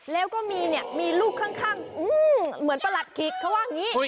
แล้วก็มีลูกข้างเหมือนประหลัดขีกเขาว่านี้